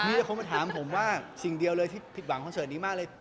มีแต่คนมาถามผมว่าสิ่งเดียวเลยที่ผิดหวังคอนเสิร์ตนี้มากเลย